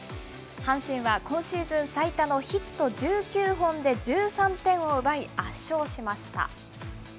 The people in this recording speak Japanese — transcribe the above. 阪神は、今シーズン最多のヒット１９本で１３点を奪い、圧勝しました。